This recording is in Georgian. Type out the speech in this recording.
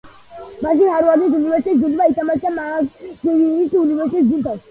მაშინ ჰარვარდის უნივერსიტეტის გუნდმა ითამაშა მაკგილის უნივერსიტეტის გუნდთან.